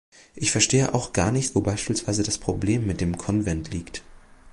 Ich verstehe auch gar nicht, wo beispielsweise das Problem mit dem Konvent liegt.